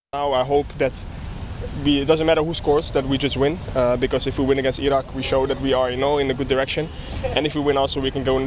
sekarang saya berharap tidak masalah siapa yang menang kita akan menang